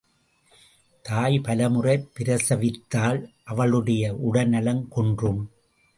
தாய் பலமுறை பிரசவித்தால் அவளுடைய உடல் நலம் குன்றும்.